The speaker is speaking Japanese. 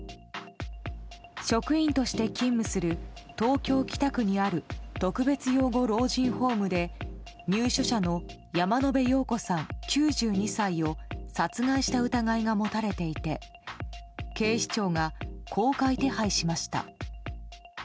職員として勤務する東京・北区にある特別養護老人ホームで入所者の山野辺陽子さん、９２歳を殺害した疑いが持たれていて警視庁が公開手配しました。